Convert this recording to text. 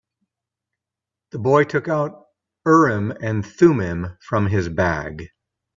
The boy took out Urim and Thummim from his bag.